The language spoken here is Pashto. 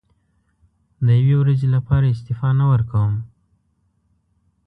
د یوې ورځې لپاره استعفا نه ورکووم.